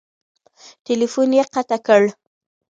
ټیلیفون یې قطع کړ !